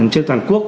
trên toàn quốc